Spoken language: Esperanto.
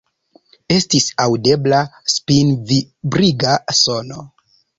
Estis aŭdebla spinvibriga sono.